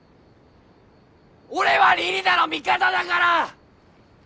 俺は李里奈の味方だから‼